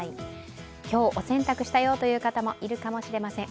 今日、お洗濯したよという方もいるかもしれません。